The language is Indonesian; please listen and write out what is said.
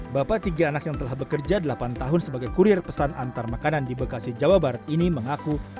bapak tiga anak yang telah bekerja delapan tahun sebagai kurir pesan antar makanan di bekasi jawa barat ini mengaku